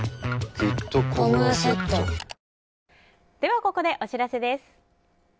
ここでお知らせです。